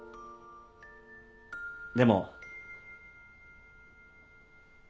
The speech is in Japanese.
でも。